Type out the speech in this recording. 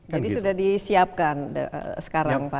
jadi sudah disiapkan sekarang pak